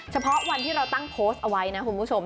เฉพาะวันที่เราตั้งโพสต์เอาไว้นะคุณผู้ชม